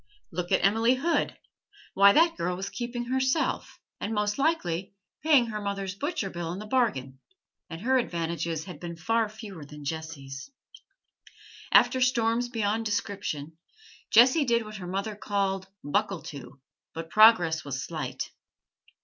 Look at Emily Hood: why, that girl was keeping herself, and, most likely, paying her mother's butcher's bill into the bargain, and her advantages had been fewer than Jessie's. After storms beyond description, Jessie did what her mother called 'buckle to,' but progress was slight.